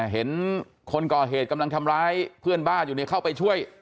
เห็นคนก่อเหตุกำลังทำร้ายเพื่อนบ้านอยู่เข้าไปช่วย